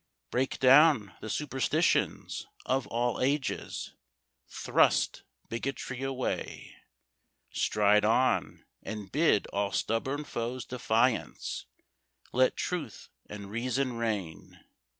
Break down the superstitions of all ages Thrust bigotry away; Stride on, and bid all stubborn foes defiance Let Truth and Reason reign.